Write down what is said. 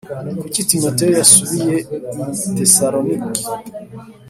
Kuki timoteyo yasubiye i tesalonike